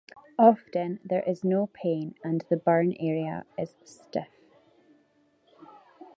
Often there is no pain and the burn area is stiff.